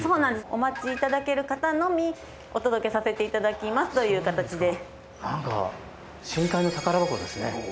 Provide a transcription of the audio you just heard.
お待ちいただける方のみお届けさせていただきますという形で。